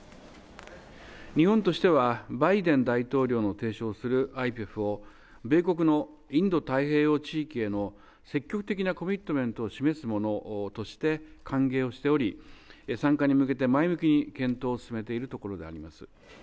日本としては、バイデン大統領の提唱するＩＰＥＦを米国のインド太平洋地域への積極的なコミットメントを示すものとして歓迎をしており、参加に向けて前向きに検討を進めているところでございます。